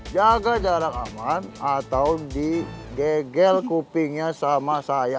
jaga jarak aman atau digegel kupingnya sama saya